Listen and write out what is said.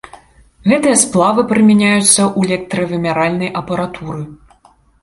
Гэтыя сплавы прымяняюцца ў электравымяральнай апаратуры.